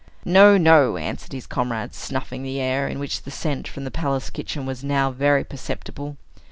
"No, no," answered his comrades, snuffing the air, in which the scent from the palace kitchen was now very perceptible.